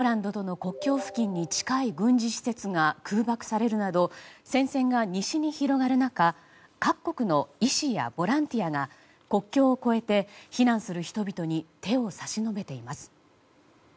ポーランドとの国境付近に近い軍事施設が空爆されるなど戦線が西に広がる中各国の医師やボランティアが国境を越えて避難する人々に手を差し伸べています。